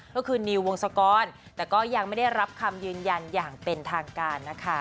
ก็คือนิววงศกรแต่ก็ยังไม่ได้รับคำยืนยันอย่างเป็นทางการนะคะ